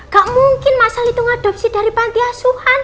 gak mungkin mas al itu nge adopsi dari pantai asuhan